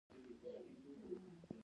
په سترګو کې یې اوښکې راغلې.